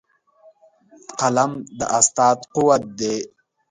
قلم د استاد قوت دی.